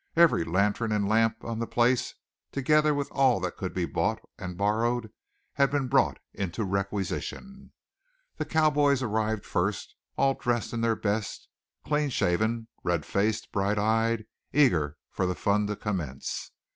Every lantern and lamp on the place, together with all that could be bought and borrowed, had been brought into requisition. The cowboys arrived first, all dressed in their best, clean shaven, red faced, bright eyed, eager for the fun to commence.